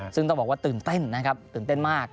ซึ่งต้องบอกว่าตื่นเต้นนะครับตื่นเต้นมาก